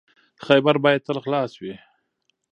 خیبر باید تل خلاص وي.